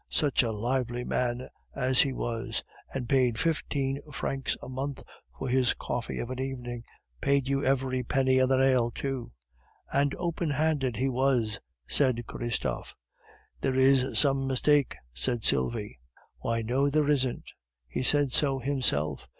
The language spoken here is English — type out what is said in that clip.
Such a lively man as he was, and paid fifteen francs a month for his coffee of an evening, paid you very penny on the nail too." "And open handed he was!" said Christophe. "There is some mistake," said Sylvie. "Why, no there isn't! he said so himself!"